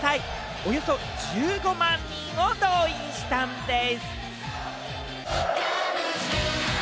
およそ１５万人を動員したんでぃす。